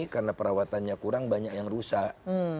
karena perawatannya kurang banyak yang rusak